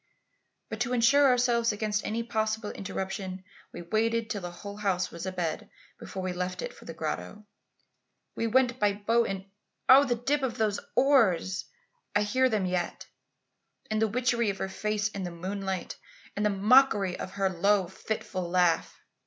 "But to ensure ourselves against any possible interruption, we waited till the whole house was abed before we left it for the grotto. We went by boat and oh! the dip of those oars! I hear them yet. And the witchery of her face in the moonlight; and the mockery of her low fitful laugh!